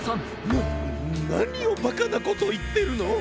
ななにをバカなこといってるの！